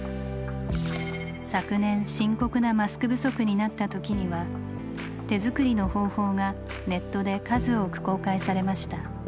昨年深刻なマスク不足になった時には手作りの方法がネットで数多く公開されました。